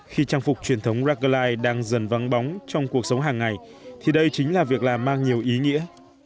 khi trang phục truyền thống rackline đang dần vắng bóng trong cuộc sống hàng ngày thì đây chính là việc làm mang nhiều ý nghĩa